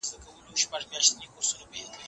شاته تګ د منلو نه دی.